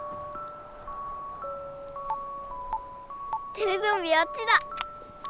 テレゾンビあっちだ！